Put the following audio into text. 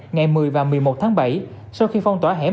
ngày một mươi và một mươi một tháng bảy sau khi phong tỏa hẻm